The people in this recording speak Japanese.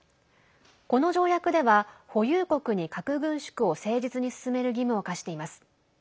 この条約では保有国に核軍縮を誠実に進める義務を課しています。